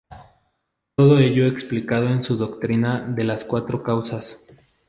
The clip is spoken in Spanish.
Todo ello explicado en su doctrina de las cuatro causas.